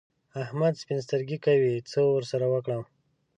احمد سپين سترګي کوي؛ څه ور سره وکړم؟!